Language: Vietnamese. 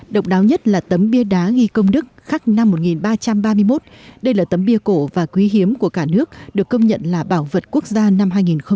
độc đáo nhất là tấm bia đá ghi công đức khắc năm một nghìn ba trăm ba mươi một đây là tấm bia cổ và quý hiếm của cả nước được công nhận là bảo vật quốc gia năm hai nghìn một mươi